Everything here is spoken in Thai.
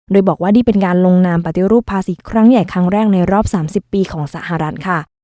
โดยบอกว่านี่เป็นการลงนามปฏิรูปภาษีครั้งใหญ่ครั้งแรกในรอบ๓๐ปีของสหรัฐค่ะ